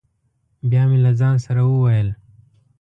بیا مې له ځانه سره وویل: